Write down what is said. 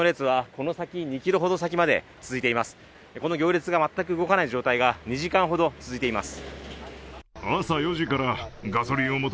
この行列が全く動かない状態が２時間ほど続いています。